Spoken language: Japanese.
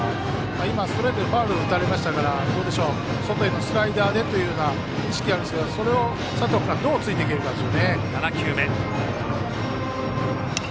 ストレートでファウルを打たれましたから外へのスライダーでという意識があるでしょうけど佐藤君がどうついていけるかです。